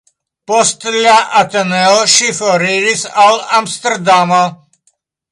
Post la Ateneo ŝi foriris al Amsterdamo.